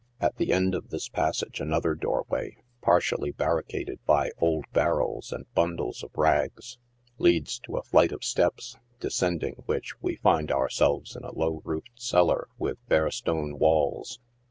At the end of this passage another doorway, partially barricaded by old barrels and bundles of rags, leads to a flight of sieps, descend ing which we find ourselves in a low roofed cellar, with bare stone walls.